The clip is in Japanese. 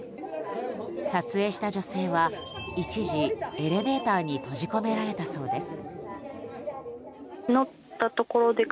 撮影した女性は一時、エレベーターに閉じ込められたそうです。